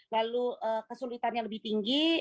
lalu kesulitannya lebih tinggi